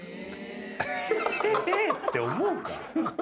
「へえー」って思うか？